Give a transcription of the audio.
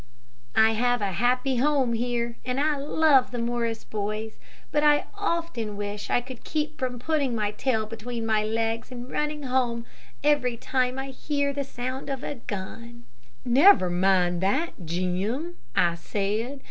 "I have a happy home here and I love the Morris boys; but I often wish that I could keep from putting my tail between my legs and running home every time I hear the sound of a gun." "Never mind that, Jim," I said.